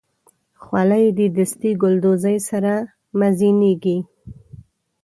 خولۍ د دستي ګلدوزۍ سره مزینېږي.